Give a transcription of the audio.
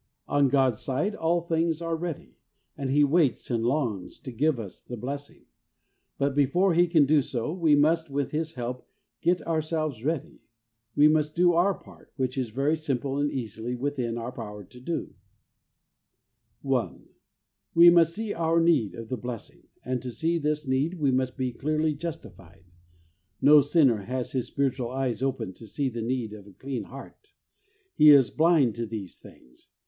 On God's side all things are ready, and He waits and longs to give us the blessing ; but before He can do so, we must, with His help, get ourselves ready ; we must do our part, which is very simple and easily within our power to do. HOW TO GET HOLINESS 17 1. We must see our need of the blessing, and to see this need we must be clearly justified. No sinner has his spiritual eyes open to see the need of a clean heart. He is blind to these things.